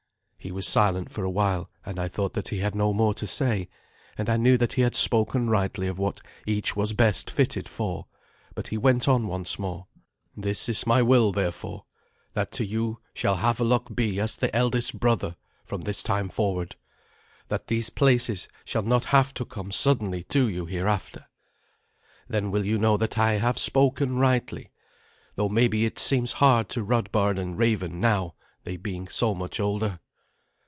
He was silent for a while, and I thought that he had no more to say, and I knew that he had spoken rightly of what each was best fitted for, but he went on once more. "This is my will, therefore, that to you shall Havelok be as the eldest brother from this time forward, that these places shall not have to come suddenly to you hereafter. Then will you know that I have spoken rightly, though maybe it seems hard to Radbard and Raven now, they being so much older."